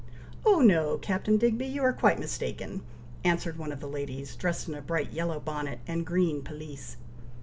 "Oh no, Captain Digby, you are quite mistaken," answered one of the ladies, dressed in a bright yellow bonnet and green pelisse.